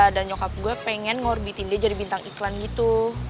dan nyokap gue pengen ngorbitin dia jadi bintang iklan gitu